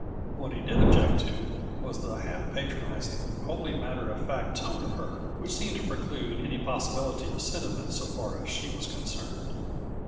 What he did object to was the half patronizing, wholly matter of fact tone of her, which seemed to preclude any possibility of sentiment so far as she was concerned.